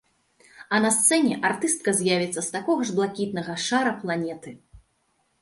А на сцэне артыстка з'явіцца з такога ж блакітнага шара-планеты.